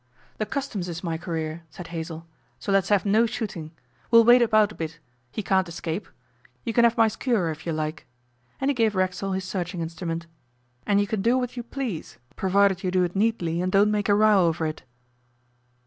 'The Customs is my career,' said Hazell, 'so let's have no shooting. We'll wait about a bit; he can't escape. You can have my skewer if you like' and he gave Racksole his searching instrument. 'And you can do what you please, provided you do it neatly and don't make a row over it.